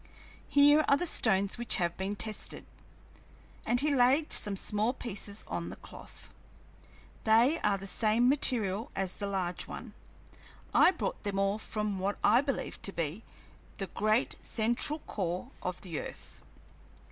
Here are the stones which have been tested." And he laid some small pieces on the cloth. "They are of the same material as the large one. I brought them all from what I believe to be the great central core of the earth."